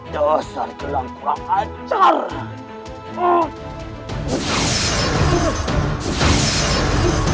dasar gelang kurang ancar